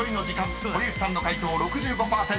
［堀内さんの解答６５％。